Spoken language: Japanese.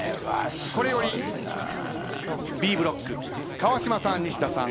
これよりＢブロック川島さん西田さん